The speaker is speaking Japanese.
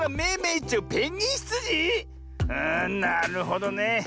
あなるほどね。